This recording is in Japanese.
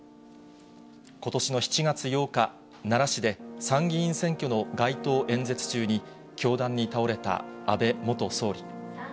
ことしの７月８日、奈良市で参議院選挙の街頭演説中に、凶弾に倒れた安倍元総理。